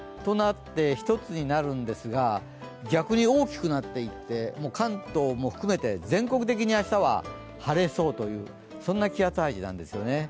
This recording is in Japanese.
１つになるんですが、逆に大きくなっていって、関東も含めて全国的に明日は晴れそうという、そんな気圧配置なんですね。